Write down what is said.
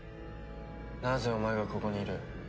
なぜお前がここにいる？